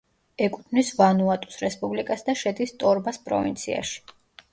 ეკუთვნის ვანუატუს რესპუბლიკას და შედის ტორბას პროვინციაში.